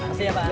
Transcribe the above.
makasih ya bang